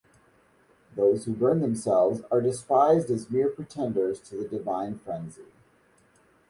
Those who burn themselves are despised as mere pretenders to the divine frenzy.